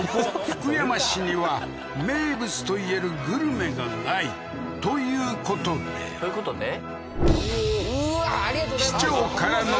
福山市には名物といえるグルメがないということでということで？